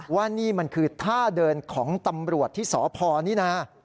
ว่านี่มันคือท่าเดินของตำรวจที่สพนี่นะ